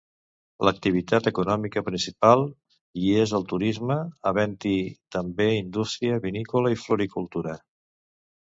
L'activitat econòmica principal hi és el turisme, havent-hi també indústria vinícola i floricultura.